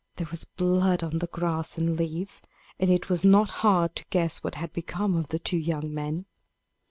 There was blood on the grass and leaves, and it was not hard to guess what had become of the two young men.